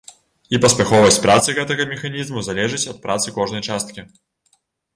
І паспяховасць працы гэтага механізму залежыць ад працы кожнай часткі.